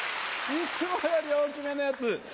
いつもより大きめのやつ。